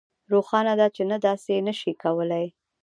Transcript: روښانه ده چې نه داسې نشئ کولی